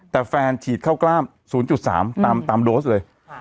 แต่แฟนฉีดเข้ากล้าม๐๓ตามโดสเลย